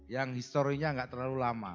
yang historinya nggak terlalu lama